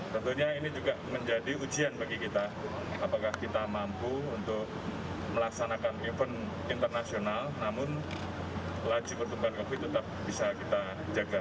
tentunya ini juga menjadi ujian bagi kita apakah kita mampu untuk melaksanakan event internasional namun laju pertumbuhan covid sembilan belas tetap bisa kita jaga